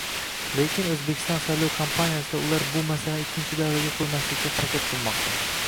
Lekin O'zbekiston saylov kampaniyasida ular bu masalani ikkinchi davraga qo'ymaslikka harakat qilmoqda